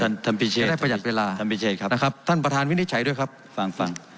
ท่านพิเศษท่านพิเศษครับนะครับท่านประธานวิทยาชัยด้วยครับฟัง